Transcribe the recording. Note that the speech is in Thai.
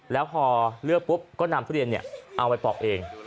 แล้วพอเลือกปุ๊บก็นำทุเรียนเอาไปปอกเอง